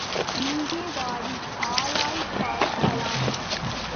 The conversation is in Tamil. இங்கே வாடி ஆலாய்ப் பறக்கலாம்.